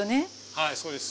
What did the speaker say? はいそうです。